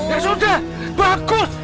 ya sudah bagus